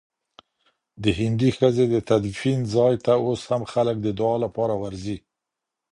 د هندۍ ښځي د تدفین ځای ته اوس هم خلک د دعا لپاره ورځي.